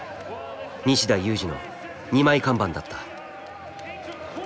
西田有志の二枚看板だった。